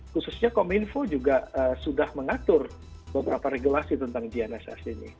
khususnya kominfo juga sudah mengatur beberapa regulasi tentang gnss ini